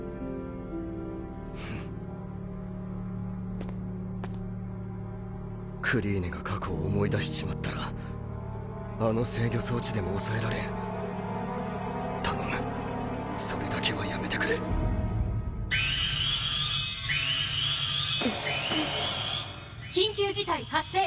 フンクリーネが過去を思い出しちまったらあの制御装置でも抑えられん頼むそれだけはやめてくれ緊急事態発生！